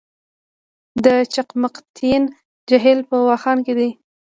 د چقمقتین جهیل په واخان کې دی